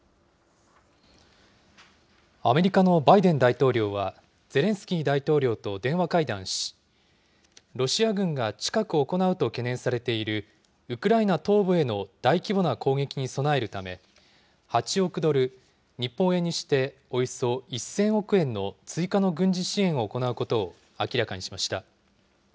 アメリカのバイデン大統領は、ゼレンスキー大統領と電話会談し、ロシア軍が近く行うと懸念されている、ウクライナ東部への大規模な攻撃に備えるため、８億ドル、日本円にしておよそ１０００億円の追加の軍事支援を行うことを明らかにしました。